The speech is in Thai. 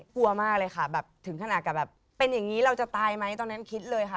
กลัวมากเลยค่ะแบบถึงขนาดกับแบบเป็นอย่างนี้เราจะตายไหมตอนนั้นคิดเลยค่ะ